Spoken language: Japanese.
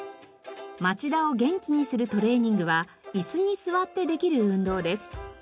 町田を元気にするトレーニングは椅子に座ってできる運動です。